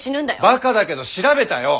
ばかだけど調べたよ！